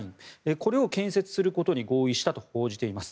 これを建設することに合意したと報じています。